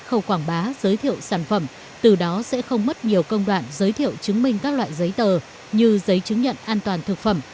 khẩu quảng bá giới thiệu sản phẩm từ đó sẽ không mất nhiều công đoạn giới thiệu chứng minh các loại giấy tờ như giấy chứng nhận an toàn thực phẩm